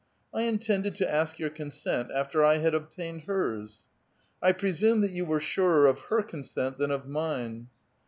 " I intiMided to ask vour consent after I had obtained hers." " I i)rcsumo that you were surer of her consent than of mine